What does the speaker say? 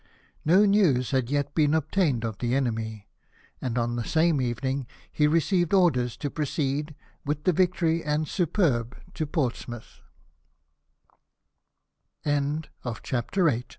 No news had yet been obtained of the enemy ; and on the same evening he received orders to proceed, with the Victory and Superb, to Por